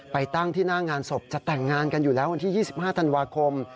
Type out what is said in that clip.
ตั้งที่หน้างานศพจะแต่งงานกันอยู่แล้ววันที่๒๕ธันวาคม